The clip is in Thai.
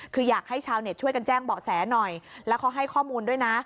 คืออยากให้ชาวเน็ตช่วยกันแจ้งเบาะแสหน่อยแล้วเขาให้ข้อมูลด้วยนะ